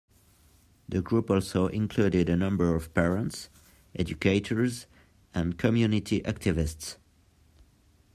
The group also included a number of parents, educators and community activists.